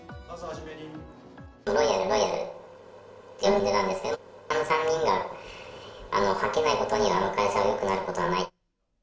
ロイヤル、ロイヤルって呼んでたんですけど、あの３人がはけないことには、あの会社がよくなることはない。